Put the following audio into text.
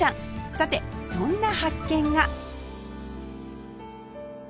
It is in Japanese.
さてどんな発見が？